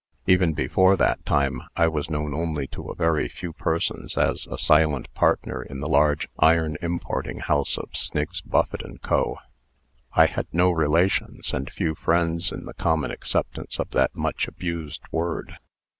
Even before that time, I was known only to a very few persons as a silent partner in the large iron importing house of Sniggs, Buffet & Co. I had no relations, and few friends, in the common acceptance of that much abused word.